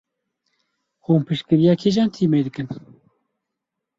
Hûn piştgiriya kîjan tîmê dikin?